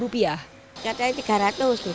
uangnya digunakan untuk apa rencana